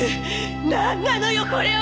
なんなのよこれは！